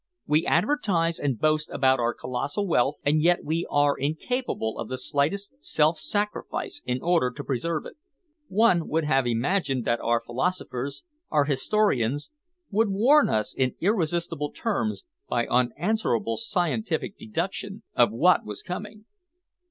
"We advertise and boast about our colossal wealth, and yet we are incapable of the slightest self sacrifice in order to preserve it. One would have imagined that our philosophers, our historians, would warn us in irresistible terms, by unanswerable scientific deduction, of what was coming."